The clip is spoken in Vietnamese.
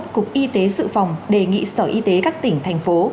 cục y tế dự phòng đề nghị sở y tế các tỉnh thành phố